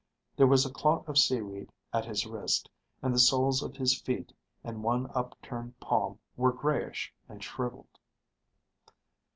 There was a clot of seaweed at his wrist, and the soles of his feet and one up turned palm were grayish and shriveled.